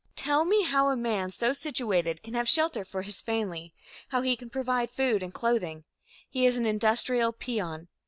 Tell me how a man so situated can have shelter for his family; how he can provide food and clothing. He is an industrial peon.